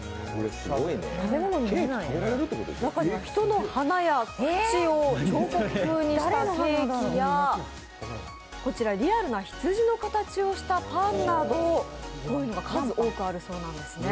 人の鼻や口を彫刻風にしたケーキやリアルな羊の形をしたパンなど、こういうのが数多くあるそうなんですね。